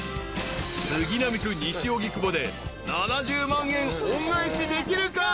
［杉並区西荻窪で７０万円恩返しできるか？］